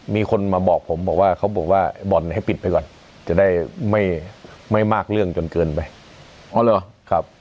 มีคนมาบอกผมบอกว่าเขาบอกว่าบ่อนให้ปิดไปก่อนจะได้ไม่มากเรื่องจนเกินไปอ๋อเหรอครับ